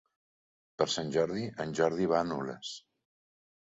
Per Sant Jordi en Jordi va a Nules.